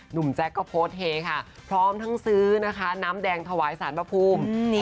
แจ๊คก็โพสต์เฮค่ะพร้อมทั้งซื้อนะคะน้ำแดงถวายสารพระภูมิ